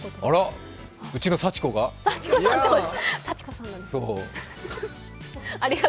あら、うちのサチコが？